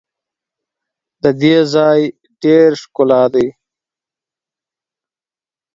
د دې ځای ډېر ښکلا دي.